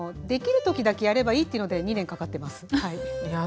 できる時だけやればいいっていうので２年かかってますはい。